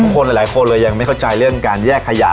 หลายคนเลยยังไม่เข้าใจเรื่องการแยกขยะ